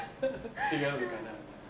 違うのかな？